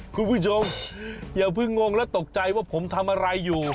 คุณผู้ชมอย่าเพิ่งงงและตกใจว่าผมทำอะไรอยู่